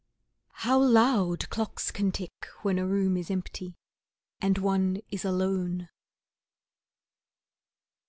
How loud clocks can tick when a room is empty, and one is alone!